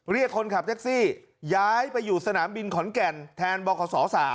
เรียกคนขับแท็กซี่ย้ายไปอยู่สนามบินขอนแก่นแทนบขศ๓